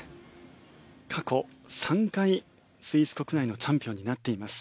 過去３回、スイス国内のチャンピオンになっています